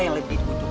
yang lebih dibutuhkan